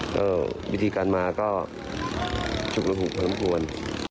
ก็วิธีการมาก็ชุดละหุบข้าวน้ำหวน